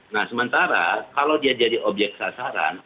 nah sementara kalau dia jadi objek sasaran